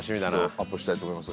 「アップしたいと思います」